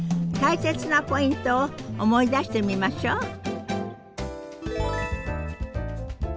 大切なポイントを思い出してみましょう。